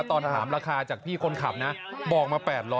ตอนถามราคาจากพี่คนขับนะบอกมา๘๐๐